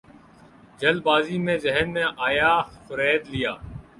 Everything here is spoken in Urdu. جلد بازی میں ذہن میں آیا خرید لیا